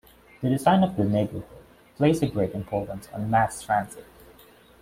The design of the neighbourhood placed a great importance on mass transit.